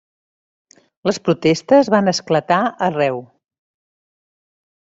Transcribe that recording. Les protestes van esclatar arreu.